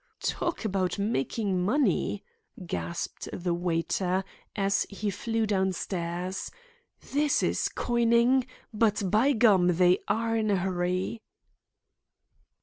"Talk about makin' money!" gasped the waiter, as he flew downstairs, "this is coinin'. But, by gum, they are in a hurry."